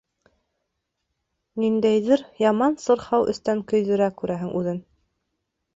Ниндәйҙер яман сырхау эстән көйҙөрә, күрәһең, үҙен.